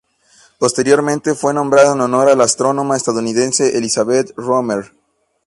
Posteriormente fue nombrado en honor de la astrónoma estadounidense Elizabeth Roemer.